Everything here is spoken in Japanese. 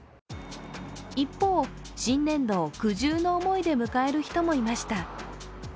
一方、新年度を苦渋の思いで迎える人もいました。